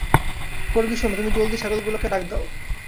কর্গি শোনো, তুমি জলদি ছাগলগুলোকে ডাক দাও।